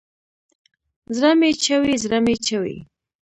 زړه مې چوي ، زړه مې چوي